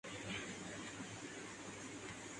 کلاسرا سے اظہار افسوس کیا کہ میں یہی کر سکتا تھا۔